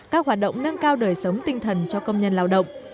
các hoạt động nâng cao đời sống tinh thần cho công nhân lao động